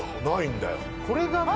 これがね